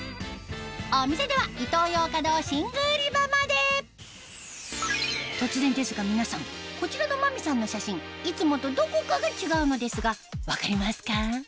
お店では突然ですが皆さんこちらの真美さんの写真いつもとどこかが違うのですが分かりますか？